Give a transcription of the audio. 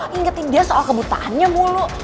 ngingetin dia soal kebutaannya mulu